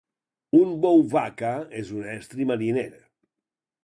Un bouvaca és un estri mariner.